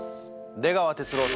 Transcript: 出川哲朗様